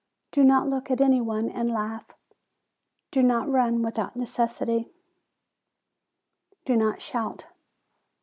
Do not look at any one and laugh; do not run without necessity; do not shout.